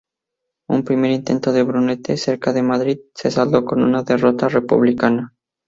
Un primer intento en Brunete, cerca de Madrid, se saldó con una derrota republicana.